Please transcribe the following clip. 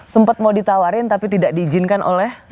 sempat mau ditawarin tapi tidak diizinkan oleh